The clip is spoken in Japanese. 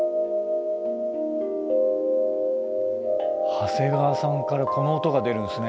長谷川さんからこの音が出るんですね！